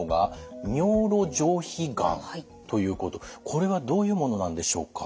これはどういうものなんでしょうか？